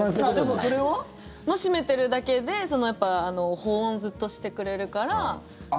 それも閉めてるだけでやっぱり保温をずっとしてくれるから。